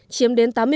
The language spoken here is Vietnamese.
chiếm đến tám mươi